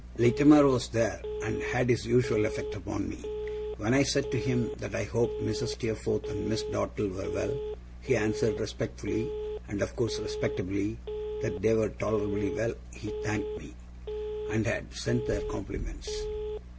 Littimer was there, and had his usual effect upon me. When I said to him that I hoped Mrs. Steerforth and Miss Dartle were well, he answered respectfully (and of course respectably), that they were tolerably well, he thanked me, and had sent their compliments.